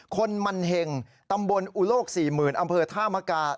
คนมันเห็งตำบลอุโลก๔๐๐๐อำเภอท่ามกา